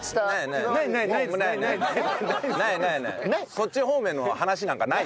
そっち方面の話なんかない。